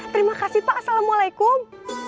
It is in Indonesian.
terima kasih pak assalamualaikum